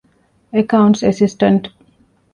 އެކައުންޓްސް އެސިސްޓަންޓް